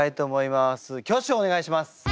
挙手をお願いします。